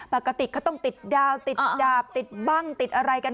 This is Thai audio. ปกติเขาต้องติดดาวติดดาบติดบ้างติดอะไรกัน